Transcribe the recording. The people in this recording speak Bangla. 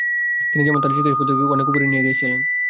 তিনি যেমন তার চিকিৎসা পদ্ধতিকে অনেক উপরে নিয়ে গিয়েছিলেন।